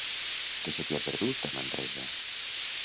Què se t'hi ha perdut, a Manresa?